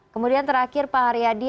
kemudian terakhir pak haryadi